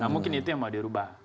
nah mungkin itu yang mau dirubah